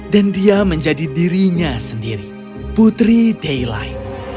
dan dia menjadi dirinya sendiri putri daylight